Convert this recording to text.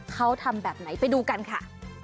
เขาทำแบบไหนไปดูกันค่ะ